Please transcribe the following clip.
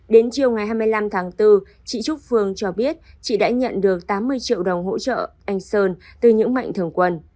đến chiều ngày hai mươi năm tháng bốn chị trúc phương cho biết chị đã nhận được tám mươi triệu đồng hỗ trợ anh sơn từ những mạnh thường quân